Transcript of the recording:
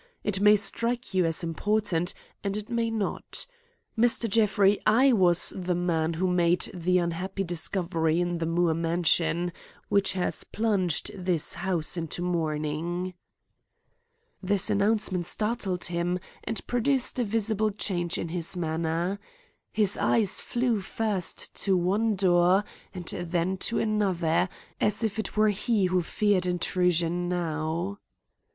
It may strike you as important, and it may not. Mr. Jeffrey, I was the man who made the unhappy discovery in the Moore mansion, which has plunged this house into mourning." This announcement startled him and produced a visible change in his manner. His eyes flew first to one door and then to another, as if it were he who feared intrusion now.